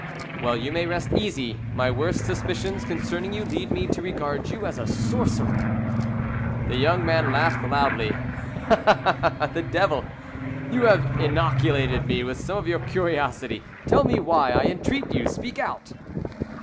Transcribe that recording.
"Well, you may rest easy. My worst suspicions concerning you lead me to regard you as a sorcerer!" The young man laughed loudly. "The devil! You have inoculated me with some of your curiosity: tell me why, I entreat you speak out!"